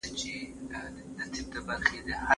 ایا تکړه پلورونکي وچه میوه ساتي؟